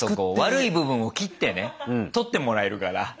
悪い部分を切ってね取ってもらえるから。